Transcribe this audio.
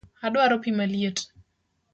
Adwaro pii maliet